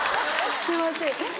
すいません。